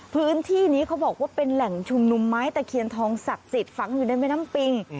พื้นที่นี้เขาบอกว่าเป็นแหล่งชุมนุมไม้ตะเคียนทองศักดิ์สิทธิ์ฝังอยู่ในแม่น้ำปิง